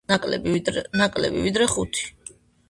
ნაკლები, ვიდრე ხუთი.